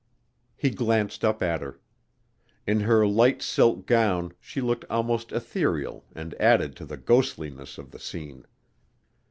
He glanced up at her. In her light silk gown she looked almost ethereal and added to the ghostliness of the scene.